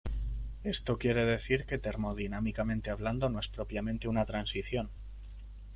Esto quiere decir que, termodinámicamente hablando, no es propiamente una transición.